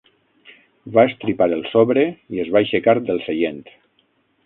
Va estripar el sobre i es va aixecar del seient.